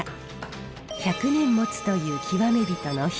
１００年もつという極め人の杼。